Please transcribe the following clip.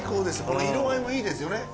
この色合いもいいですよね。